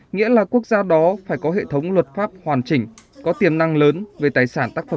nghĩa là quốc gia đó phải có hệ thống luật pháp hoàn chỉnh có tiềm năng lớn về tài sản tác phẩm